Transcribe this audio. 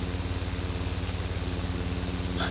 ایا ستاسو پوهنتون مجهز کمپیوټرونه لري؟